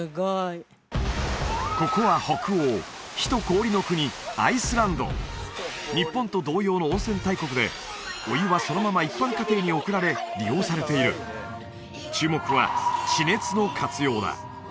ここは北欧火と氷の国アイスランド日本と同様の温泉大国でお湯はそのまま一般家庭に送られ利用されている注目は地熱の活用だ